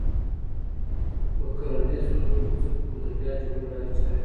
و کرنيزو ځمکو د بيا جوړولو لارې چارې ټاکي